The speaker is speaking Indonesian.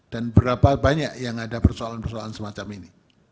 dan berapa banyak yang ada persoalan persoalan semacam ini